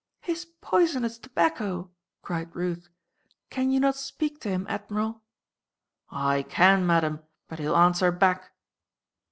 "His poisonous tobacco!" cried Ruth. "Can you not speak to him, Admiral?" "I can, Madam, but he'll answer back."